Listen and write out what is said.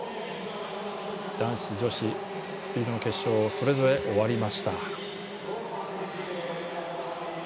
男子、女子スピードの決勝それぞれ、終わりました。